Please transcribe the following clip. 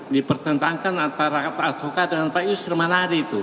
dipertentangkan antara pak atoka dan pak yusri manari itu